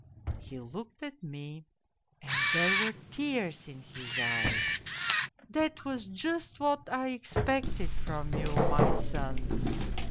" He looked at me and there were tears in his eyes. ' That was just what I expected from you, my son.